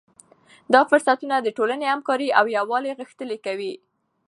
دا فرصتونه د ټولنې همکاري او یووالی غښتلی کوي.